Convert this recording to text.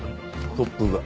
突風が。